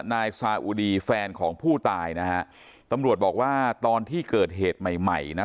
นายซาอุดีแฟนของผู้ตายนะฮะตำรวจบอกว่าตอนที่เกิดเหตุใหม่ใหม่นะ